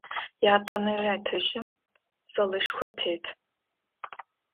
Ятӏонэрэ этажым залышхо тет.